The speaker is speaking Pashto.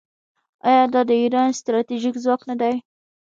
آیا دا د ایران ستراتیژیک ځواک نه دی؟